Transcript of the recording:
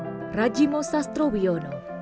seorang sejarawan yang memfokuskan penelitiannya